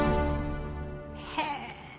へえ。